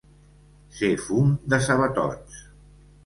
Ser fum de sabatots.